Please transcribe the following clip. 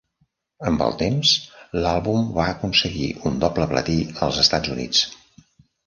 Amb el temps, l'àlbum va aconseguir un doble platí als Estats Units.